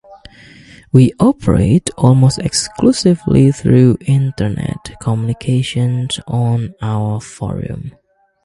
We operate almost exclusively through Internet communications on our forum.